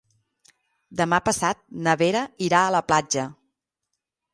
Demà passat na Vera irà a la platja.